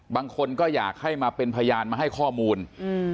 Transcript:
บางคนก็อยากให้มาเป็นพยานมาให้ข้อมูลอืม